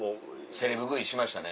セレブ食いしましたね。